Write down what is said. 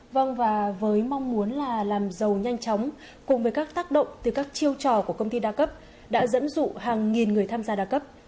vâng và với mong muốn là làm giàu nhanh chóng cùng với các tác động từ các chiêu trò của công ty đa cấp đã dẫn dụ hàng nghìn người tham gia đa cấp